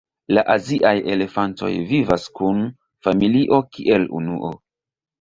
La aziaj elefantoj vivas kun familio kiel unuo.